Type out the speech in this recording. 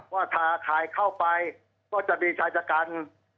ว่าถ้าขายเข้าไปก็จะมีชายจัดการ